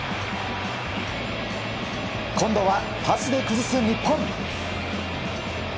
今度はパスで崩す日本。